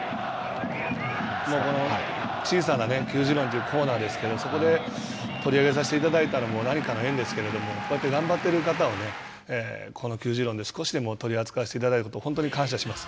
小さな球自論というコーナーですけれども、そこで取り上げさせていただいたのも何かの縁ですけれども、こうやって頑張っている方をこの球自論で少しでも取り扱わせていただいたこと、本当に感謝します。